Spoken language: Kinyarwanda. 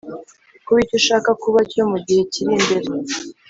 kuba icyo ushaka kuba cyo mu gihe kiri imbere,